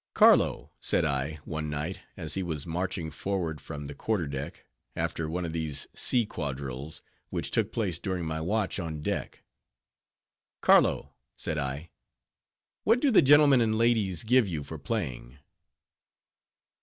"Carlo"—said I, one night, as he was marching forward from the quarter deck, after one of these sea quadrilles, which took place during my watch on deck:—"Carlo"—said I, "what do the gentlemen and ladies give you for playing?"